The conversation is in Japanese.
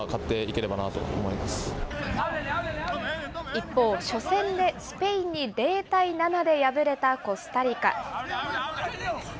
一方、初戦でスペインに０対７で敗れたコスタリカ。